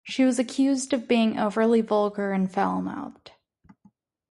She was accused of being overly vulgar and foul-mouthed.